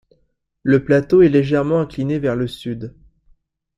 Le plateau est légèrement incliné vers le sud.